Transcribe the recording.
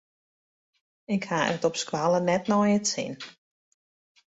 Ik ha it op skoalle net nei it sin.